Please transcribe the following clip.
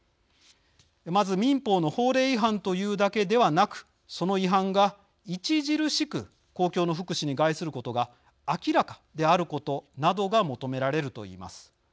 まず、民法の法令違反というだけではなくその違反が著しく公共の福祉に害することが明らかであることなどが求められるといいます。